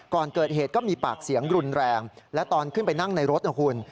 ก่อนเกิดเหตุก็มีปากเสียงรุนแรงและตอนขึ้นไปนั่งในรถนะคุณ